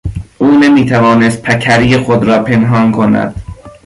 او نمیتوانست پکری خود را پنهان کند.